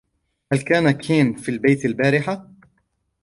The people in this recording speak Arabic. هل كان كين في البيت البارحة ؟